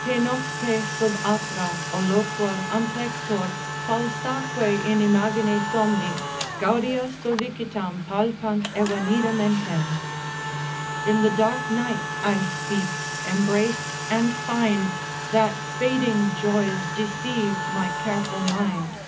———te nocte sub atra Alloquor, amplector, falsaque in imagine somni, Gaudia solicitam palpant evanida mentem. In the dark night I speak, embrace, and find That fading joys deceive my careful mind.